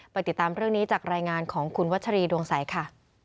ติดตามเรื่องนี้จากรายงานของคุณวัชรีดวงใสค่ะ